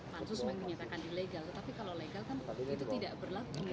pansus memang dinyatakan ilegal